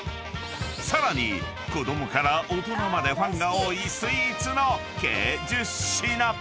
［さらに子供から大人までファンが多いスイーツの計１０品］